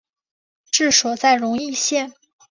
治所在荣懿县。